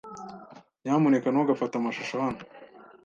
Nyamuneka ntugafate amashusho hano.